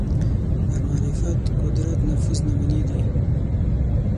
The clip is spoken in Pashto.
پر معرفت قدرت نفوذ نمونې دي